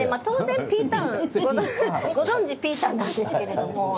当然ピータンご存じピータンなんですけれども。